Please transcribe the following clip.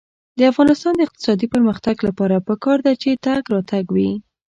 د افغانستان د اقتصادي پرمختګ لپاره پکار ده چې تګ راتګ وي.